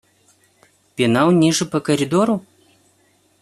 Пенал ниже по коридору?